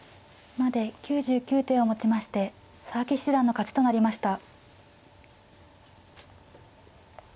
まで９９手をもちまして佐々木七段の勝ちとなりました。